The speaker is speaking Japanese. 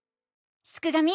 すくがミ！